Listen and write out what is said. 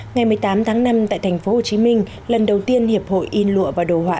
ngày một mươi tám tháng năm tại tp hcm lần đầu tiên hiệp hội in lụa và đồ họa